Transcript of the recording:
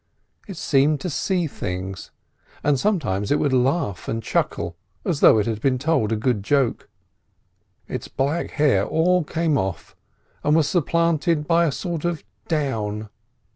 It seemed to see things, and sometimes it would laugh and chuckle as though it had been told a good joke. Its black hair all came off and was supplanted by a sort of down.